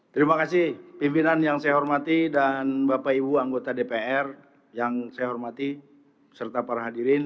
terima kasih pimpinan yang saya hormati dan bapak ibu anggota dpr yang saya hormati serta para hadirin